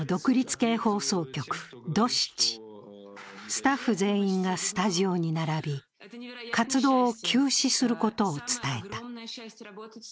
スタッフ全員がスタジオに並び、活動を休止することを伝えた。